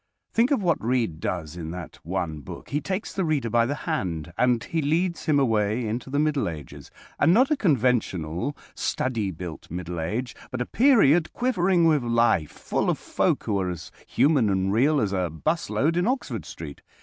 Think of what Reade does in that one book. He takes the reader by the hand, and he leads him away into the Middle Ages, and not a conventional study built Middle Age, but a period quivering with life, full of folk who are as human and real as a 'bus load in Oxford Street.